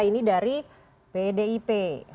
ini dari pdip